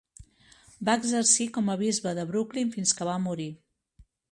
Va exercir com a bisbe de Brooklyn fins que va morir..